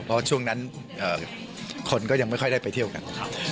เพราะช่วงนั้นคนก็ยังไม่ค่อยได้ไปเที่ยวกัน